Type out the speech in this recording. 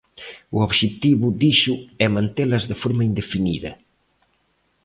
O obxectivo, dixo, "é mantelas de forma indefinida".